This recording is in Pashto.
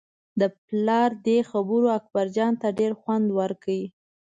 د پلار دې خبرو اکبرجان ته ډېر خوند ورکړ.